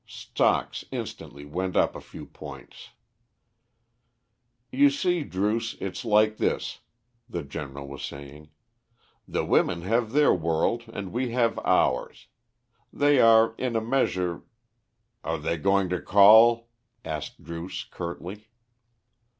Stocks instantly went up a few points. "You see, Druce, it's like this," the General was saying, "the women have their world, and we have ours. They are, in a measure " "Are they going to call?" asked Druce curtly.